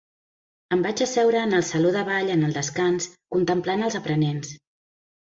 Em vaig asseure en el saló de ball en el descans, contemplant als aprenents.